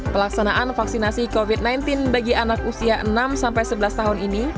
pelaksanaan vaksinasi covid sembilan belas bagi anak usia enam sebelas tahun ini